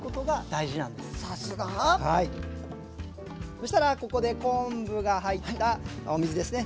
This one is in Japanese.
そしたらここで昆布が入ったお水ですね。